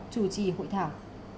chủ trì hội thảo